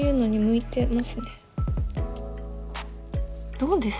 どうです？